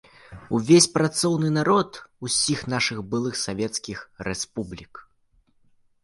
Увесь працоўны народ усіх нашых былых савецкіх рэспублік.